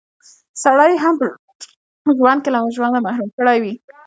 سړی يې هم په ژوند کښې له ژونده محروم کړی وي